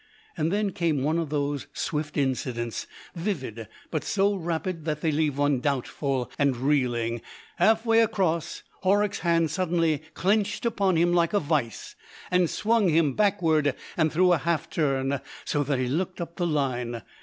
And then came one of those swift incidents, vivid, but so rapid that they leave one doubtful and reeling. Halfway across, Horrocks's hand suddenly clenched upon him like a vice and swung him backward and through a half turn, so that he looked up the line.